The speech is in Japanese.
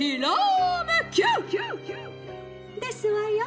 ですわよ！」。